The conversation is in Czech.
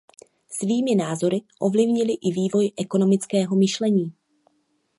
Svými názory ovlivnili i vývoj ekonomického myšlení.